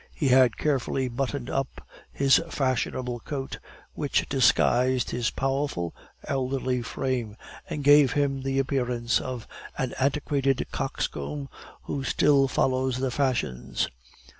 He had carefully buttoned up his fashionable coat, which disguised his powerful, elderly frame, and gave him the appearance of an antiquated coxcomb who still follows the fashions.